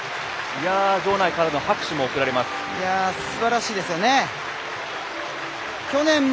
場内からの拍手も送られます。